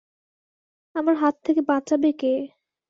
আমার হাত থেকে বাঁচাবে কে?